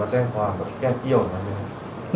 และจังความแค่เจียวนั้น